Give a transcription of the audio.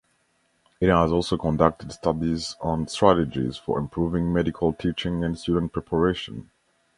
It has also conducted studies on strategies for improving medical teaching and student preparation.